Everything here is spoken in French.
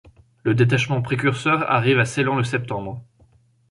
Le détachement précurseur arrive à Ceylan le septembre.